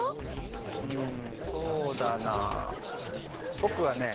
うんそうだなぼくはね